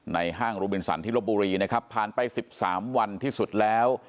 ห้างโรบินสันที่ลบบุรีนะครับผ่านไป๑๓วันที่สุดแล้ว